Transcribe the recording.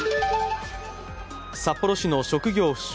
札幌市の職業不詳